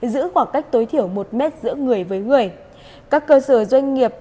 giữ khoảng cách tối thiểu một mét giữa người với người các cơ sở doanh nghiệp